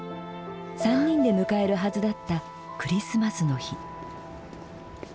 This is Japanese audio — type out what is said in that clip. ３人で迎えるはずだったクリスマスの日。